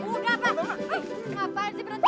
upati selamat datang